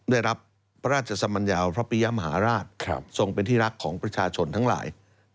ได้รับพระราชสมัญญาพระปิยมหาราชทรงเป็นที่รักของประชาชนทั้งหลาย